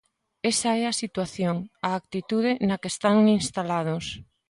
Esa é a situación, a actitude na que están instalados.